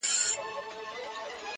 د ورځو په رڼا کي خو نصیب نه وو منلي؛